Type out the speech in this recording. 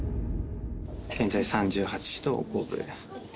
現在３８度５分。